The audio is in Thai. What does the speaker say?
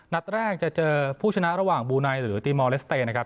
นัดแรกจะเจอผู้ชนะระหว่างบูไนหรือตีมอลเลสเตย์นะครับ